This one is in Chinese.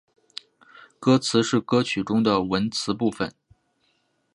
歌词是歌曲中的文词部分。